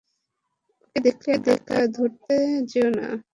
ওকে দেখলে একা একা ধরতে যেও না।